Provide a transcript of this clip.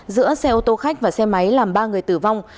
giữa xe ô tô khách và xe máy làm ba người tử vong